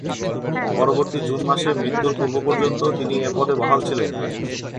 পরবর্তী জুন মাসে মৃত্যুর পূর্ব পর্যন্ত তিনি এ পদে বহাল ছিলেন।